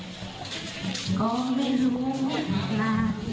เพราะฉะนั้นกลับไปมองเส้นทางที่มา